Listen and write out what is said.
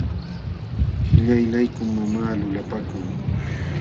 Qillaylaykum mamaa lulapankun.